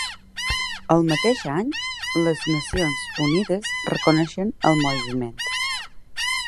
El mateix any les Nacions Unides reconeixen el moviment.